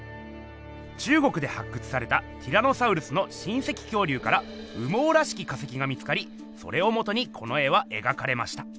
中国で発掘されたティラノサウルスの親せき恐竜から羽毛らしき化石が見つかりそれをもとにこの絵は描かれました。